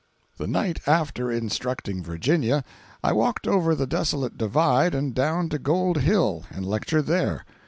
The night after instructing Virginia, I walked over the desolate "divide" and down to Gold Hill, and lectured there.